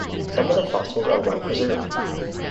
Some of the fossils are well-preserved.